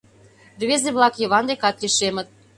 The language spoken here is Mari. Рвезе-влак Йыван декат лишемыт.